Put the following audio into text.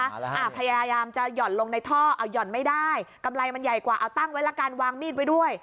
อะไรอ่ะพยายามจะหย่อนลงในท่อเอาหย่อนไม่ได้กำไรมันใหญ่กว่าเอาตั้งไว้ละกันวางมีดไว้ด้วย